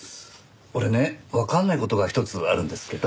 俺ねわかんない事が一つあるんですけど。